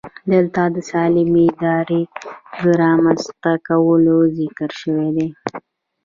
دلته د سالمې ادارې د رامنځته کولو ذکر شوی دی.